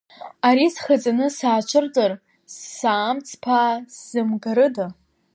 Ари схаҵаны саацәырҵыр саамҵԥаа сзымгарыда?